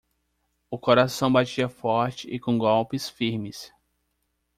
O coração batia forte e com golpes firmes.